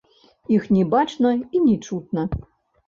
Іх не бачна і не чутна.